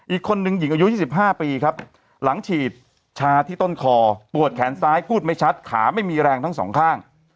อีกคนนึงหญิงอายุ๒๕ปีครับหลังฉีดชาที่ต้นคอปวดแขนซ้ายพูดไม่ชัดขาไม่มีแรงทั้งสองข้าง